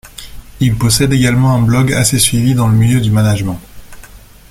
Il possède également un blog assez suivi dans le milieu du management.